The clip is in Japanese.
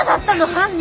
犯人。